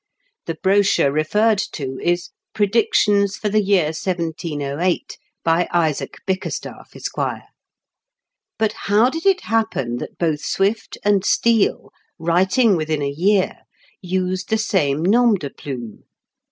The brochure referred to is Predictions for the year 1708, hy Isaac BtcJcerstaff, Esq. But how did it happen that both Swift and Steele, writing within a year, used the same nom de plume